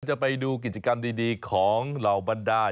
จะไปดูกิจกรรมดีของเหล่าบรรดาล